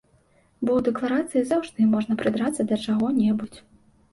Бо ў дэкларацыі заўжды можна прыдрацца да чаго-небудзь.